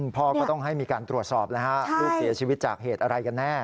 พ่อก็ต้องให้มีการตรวจสอบแล้วฮะลูกเสียชีวิตจากเหตุอะไรกันแน่